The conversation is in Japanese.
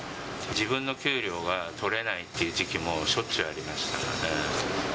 自分の給料がとれないっていう時期もしょっちゅうありましたので。